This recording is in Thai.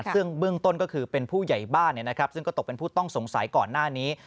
ซึ่งเบื้องต้นก็คือเป็นผู้ใหญ่บ้านซึ่งก็ตกเป็นผู้ต้องสงสัยก่อนหน้านี้